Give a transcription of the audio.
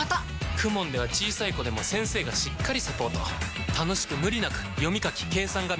ＫＵＭＯＮ では小さい子でも先生がしっかりサポート楽しく無理なく読み書き計算が身につきます！